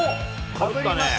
かぶりました。